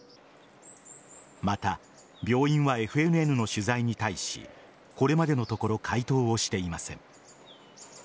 また、病院はＦＮＮの取材に対しこれまでのところ回答をしていません。